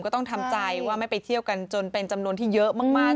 ก็ต้องทำใจว่าไม่ไปเที่ยวกันจนเป็นจำนวนที่เยอะมาก